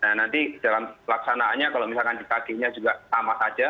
nah nanti dalam pelaksanaannya kalau misalkan di pagi nya juga sama saja